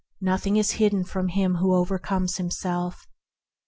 Nothing is hidden from him who overcometh himself.